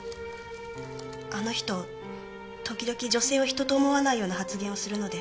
あの人時々女性を人と思わないような発言をするので。